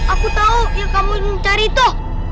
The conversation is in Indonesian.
aku tahu yang kamu cari itu